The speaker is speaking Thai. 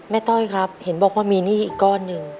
ต้อยครับเห็นบอกว่ามีหนี้อีกก้อนหนึ่ง